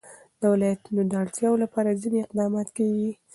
د ولایتونو د اړتیاوو لپاره ځینې اقدامات کېږي.